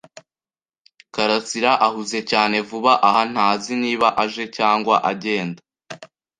karasira ahuze cyane vuba aha ntazi niba aje cyangwa agenda.